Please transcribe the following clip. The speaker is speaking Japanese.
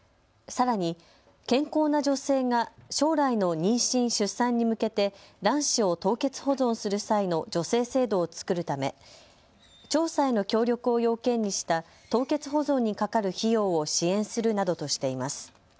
さらに、健康な女性が将来の妊娠・出産に向けて卵子を凍結保存する際の助成制度を作るため調査への協力を要件にした凍結保存にかかる費用を支援するなどとしています。